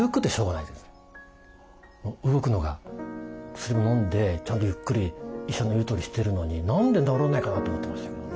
薬も飲んでちゃんとゆっくり医者の言うとおりしてるのに何で治らないかなと思ってましたけどね。